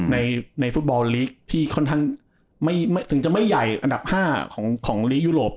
ในฟุตบอลลีกซึ่งจะไม่ใหญ่อันดับ๕ของลีกยุโรป